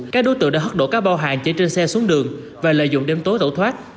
các đối tượng đã hất đổ các bao hàng chở trên xe xuống đường và lợi dụng đêm tối tẩu thoát